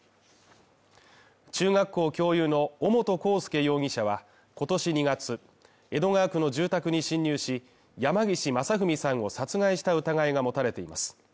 中学校教諭の尾本幸祐容疑者は今年２月、江戸川区の住宅に侵入し、山岸正文さんを殺害した疑いが持たれています。